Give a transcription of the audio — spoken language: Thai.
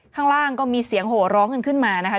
ข้างล่างก็มีเสียงโหร้องกันขึ้นมานะคะ